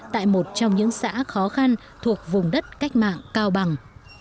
tại một trong những xã khó khăn thuộc vùng đất cách mạng cao bằng